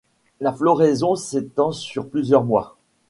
La floraison s'étend sur plusieurs mois.